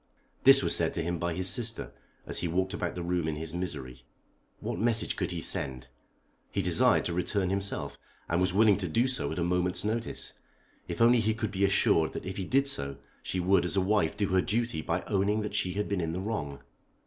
This was said to him by his sister as he walked about the room in his misery. What message could he send? He desired to return himself, and was willing to do so at a moment's notice if only he could be assured that if he did so she would as a wife do her duty by owning that she had been in the wrong.